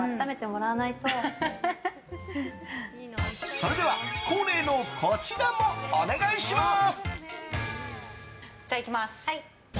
それでは恒例のこちらもお願いします。